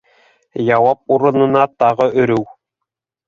Яуап урынына - тағы өрөү.